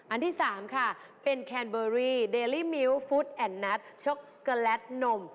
อันที่๓ค่ะเป็นแคนเบอรี่เดลี่มิ้วฟู้ดแอนนัทช็อกโกแลตนม